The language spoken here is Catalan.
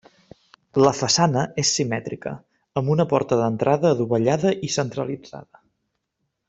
La façana és simètrica amb una porta d'entrada adovellada i centralitzada.